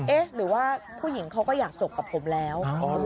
หรือว่าผู้หญิงเขาก็อยากจบกับผมแล้ว